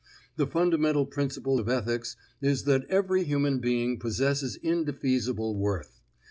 The fundamental principle of Ethics is that every human being possesses indefeasible worth.